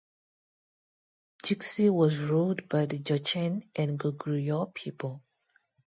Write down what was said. Jixi was ruled by the Jurchen and Goguryeo people.